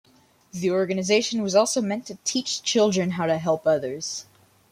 The organization was also meant to teach children how to help others.